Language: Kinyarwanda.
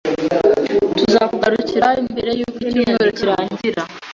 Tuzakugarukira mbere yuko icyumweru kirangira.